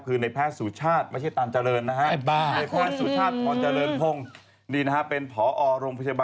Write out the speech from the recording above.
คือในภาคสูชาชไม่ใช่ตานเจริญนะครับ